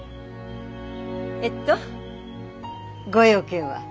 えっとご用件は？